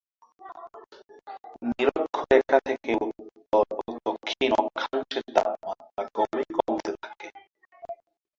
নিরক্ষরেখা থেকে উত্তর ও দক্ষিণ অক্ষাংশে তাপমাত্রা ক্রমেই কমতে থাকে।